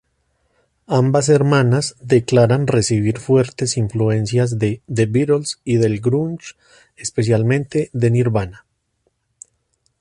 Ambas hermanas declaran recibir fuertes influencias de The Beatles y del grunge, especialmente Nirvana.